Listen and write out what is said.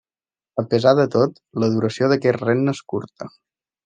A pesar de tot, la duració d'aquest regne és curta.